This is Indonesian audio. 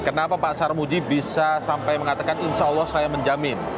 kenapa pak sarmuji bisa sampai mengatakan insya allah saya menjamin